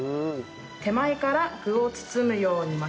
手前から具を包むように巻き。